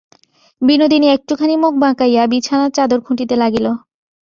বিনোদিনী একটুখানি মুখ বাঁকাইয়া বিছানার চাদর খুঁটিতে লাগিল।